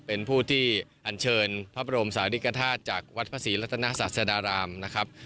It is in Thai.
เป็นผู้ที่อันเชิญภาพบรมศาสตร์ศิริกฐาตรจากวัดผสิรละษนาศาสนรรามนะครับ